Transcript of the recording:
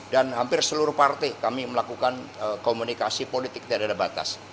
dan hampir seluruh partai kami melakukan komunikasi politik tidak ada batas